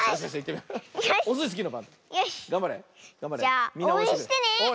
じゃあおうえんしてね！